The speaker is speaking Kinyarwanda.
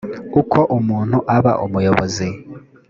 uko umuntu aba umuyobozi